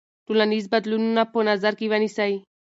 ټولنیز بدلونونه په نظر کې ونیسئ.